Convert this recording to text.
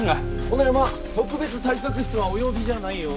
このヤマ特別対策室はお呼びじゃないよ。